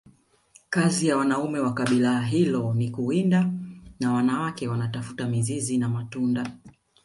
kazi ya Wanaume wa kabila hilo ni kuwinda na wanawake wanatafuta mizizi na matunda